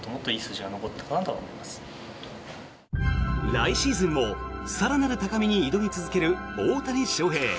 来シーズンも更なる高みに挑み続ける大谷翔平。